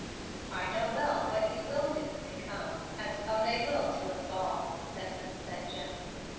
"I know well what you will do when they come, as come they will to us all," said Hemstead, gently.